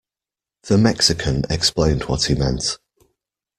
The Mexican explained what he meant.